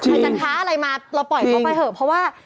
ใครจะท้าอะไรมาเราปล่อยเขาไปเถอะเพราะว่า